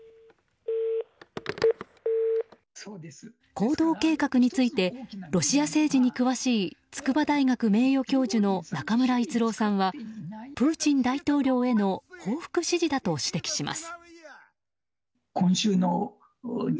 行動計画についてロシア政治に詳しい筑波大学名誉教授の中村逸郎さんはプーチン大統領への報復指示だと指摘します。